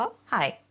はい。